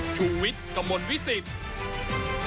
ชุวิตกระมวลวิสิทธิ์